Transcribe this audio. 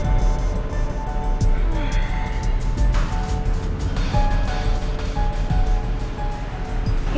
aku sudah gak percaya dengan kamu